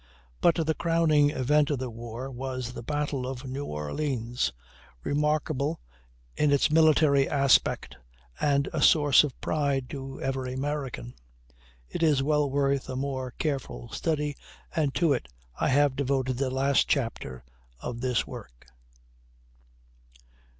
But the crowning event of the war was the Battle of New Orleans; remarkable in its military aspect, and a source of pride to every American. It is well worth a more careful study, and to it I have devoted the last chapter of this work.